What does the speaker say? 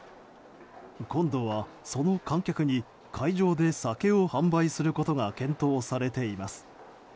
今度はその観客に会場で酒を販売することが検討されています。